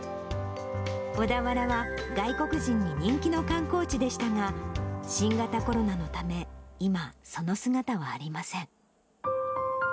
小田原は外国人に人気の観光地でしたが、新型コロナのため、今、その姿はありません。